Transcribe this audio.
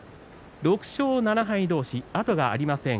６勝７敗同士、後がありません。